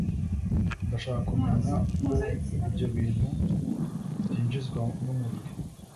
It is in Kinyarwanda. ndashaka kumenya uko ibyo bintu byinjizwa numubiri